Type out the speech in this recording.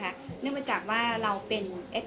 รายได้ที่เราได้จากสามสิบเพลงนี้ก็ไม่ถึงยี่สิบล้านแน่นอนโอ้โห